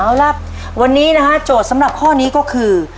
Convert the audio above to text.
เอาล่ะวันนี้นะฮะโจทย์สำหรับข้อนี้ก็คือ